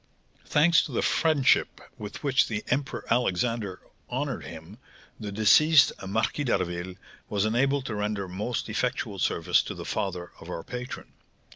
Thanks to the friendship with which the Emperor Alexander honoured him, the deceased Marquis d'Harville was enabled to render most effectual service to the father of our patron.